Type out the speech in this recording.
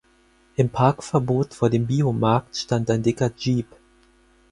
Im Parkverbot vor dem Biomarkt stand ein dicker Jeep.